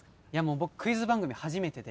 僕クイズ番組初めてで。